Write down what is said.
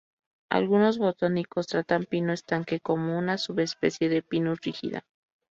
Algunos botánicos tratan pino estanque como una subespecie de "Pinus rigida".